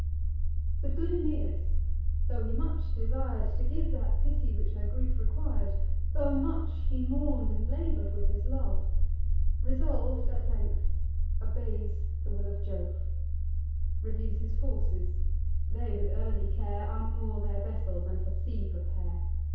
But good Aeneas, tho' he much desir'd To give that pity which her grief requir'd; Tho' much he mourn'd, and labour'd with his love, Resolv'd at length, obeys the will of Jove; Reviews his forces: they with early care Unmoor their vessels, and for sea prepare.